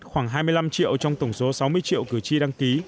khoảng hai mươi năm triệu trong tổng số sáu mươi triệu cử tri đăng ký